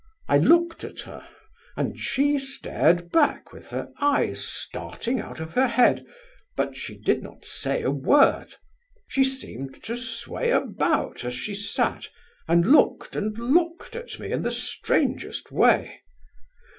I looked at her, and she stared back with her eyes starting out of her head, but she did not say a word. She seemed to sway about as she sat, and looked and looked at me in the strangest way.